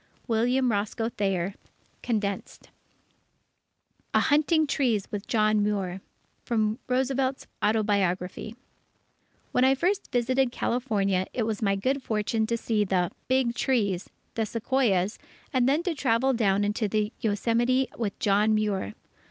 William Roscoe Thayer (Condensed) A HUNTING TREES WITH JOHN MUIR From Roosevelt's Autobiography When I first visited California, it was my good fortune to see the "big trees," the Sequoias, and then to travel down into the Yosemite with John Muir.